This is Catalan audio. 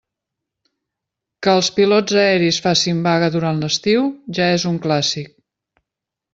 Que els pilots aeris facin vaga durant l'estiu, ja és un clàssic.